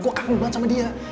gue kagum banget sama dia